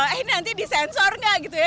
ini nanti disensor nggak gitu ya